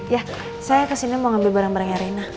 ya saya kesini mau ngambil barang barangnya rena